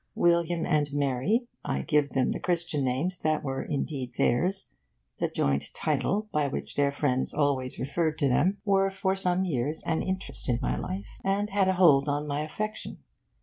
William and Mary (I give them the Christian names that were indeed theirs the joint title by which their friends always referred to them) were for some years an interest in my life, and had a hold on my affection.